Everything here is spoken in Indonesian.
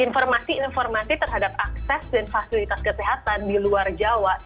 informasi informasi terhadap akses dan fasilitas kesehatan di luar jawa